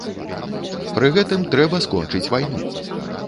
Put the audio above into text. Пры гэтым трэба скончыць вайну.